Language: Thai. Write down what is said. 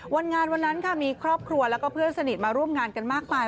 วันงานวันนั้นค่ะมีครอบครัวแล้วก็เพื่อนสนิทมาร่วมงานกันมากมาย